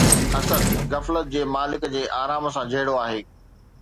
اسد غفلت جي مالڪ جي آرام سان جهيڙو آهي!